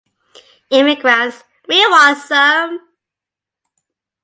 Immigrants, we want some.